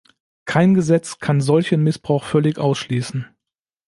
Kein Gesetz kann solchen Missbrauch völlig ausschließen.